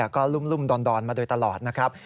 ก็รุ่มดอนมาโดยตลอดนะครับ